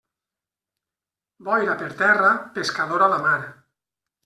Boira per terra, pescador a la mar.